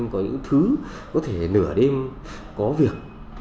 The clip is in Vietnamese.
có những thứ có thể nửa đêm có việc